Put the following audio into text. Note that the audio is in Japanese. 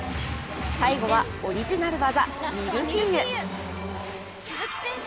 最後はオリジナル技ミルフィーユ。